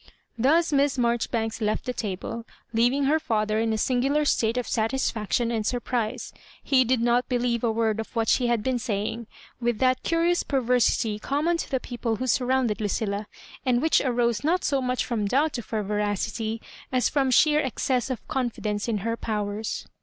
Thus Miss Maijoribanks left the table, leaving her father in a singular state of satisfaction and surprise. He did not believe a word of what she had been saying, with that curious perver sity common to the people who surrounded Lu cilla, and which arose not so much from doubt of her veradfy as from sheer excess of confidence in her powers.